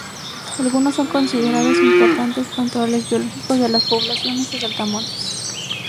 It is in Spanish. Algunos son considerados importantes controles biológicos de las poblaciones de saltamontes.